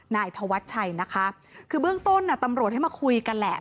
นายธวัชชัยนะคะคือเบื้องต้นตำรวจให้มาคุยกันแหละ